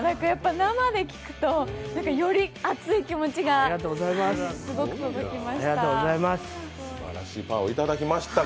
生で聴くとより熱い気持ちがすごく届きました。